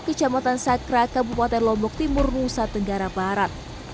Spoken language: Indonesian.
kecamatan sakra kabupaten lombok timur nusa tenggara barat